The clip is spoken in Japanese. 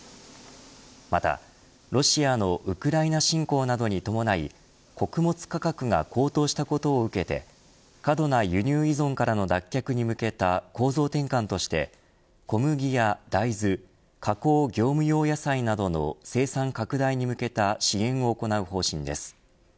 またロシアのウクライナ侵攻などに伴い穀物価格が高騰したことを受けて過度な輸入依存からの脱却に向けた構造転換として小麦や大豆加工、業務用野菜などの生産拡大に向けた支援を行う方針です。